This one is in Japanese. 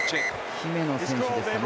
姫野選手ですかね